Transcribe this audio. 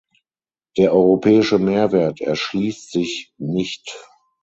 Der europäische Mehrwert erschließt sich nicht.